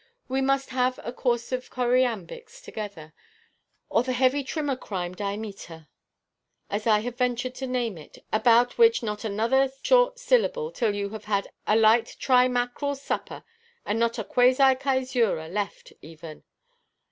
We must have a course of choriambics together, or the heavy trimacrine dimeter, as I have ventured to name it, about which——" "About which not another short syllable, till you have had a light tri–mackerel supper, and not a quasi–cæsura left even."